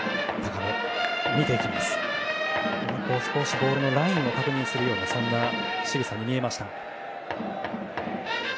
ボールのラインを確認するようなそんな仕草に見えました。